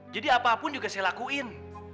jadi apapun juga saya lakuin